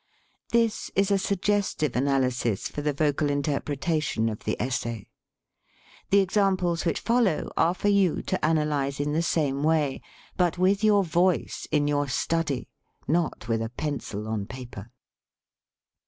This is a suggestive analysis for the vocal interpretation of the essay. The examples which follow are for you to analyze in the 101 THE SPEAKING VOICE same way, but with your voice in your study not with a pencil on paper.